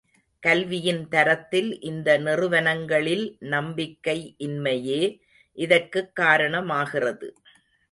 கல்வியின் தரத்தில் இந்த நிறுவனங்களில் நம்பிக்கை இன்மையே இதற்குக் காரணமாகிறது.